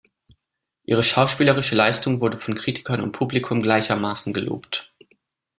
Ihre schauspielerische Leistung wurde von Kritikern und Publikum gleichermaßen gelobt.